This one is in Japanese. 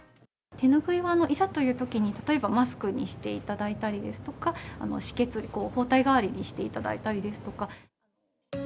手拭いはいざというときに、例えばマスクにしていただいたりですとか、止血、包帯代わりにしていただいたりですとか。